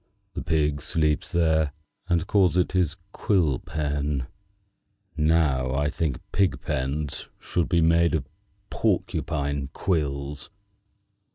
The pig sleeps there, and calls it his quill pen. Now I think that pigpens should be made of porcupine quills."